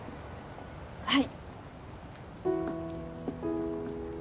はい。